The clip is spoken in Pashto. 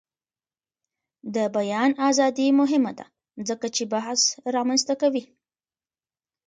د بیان ازادي مهمه ده ځکه چې بحث رامنځته کوي.